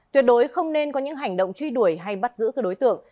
tuyệt đối không nên có những hành động truy đuổi hay bắt giữ các đối tượng